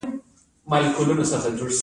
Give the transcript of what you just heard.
د جوارو وږي هم وریت کیږي.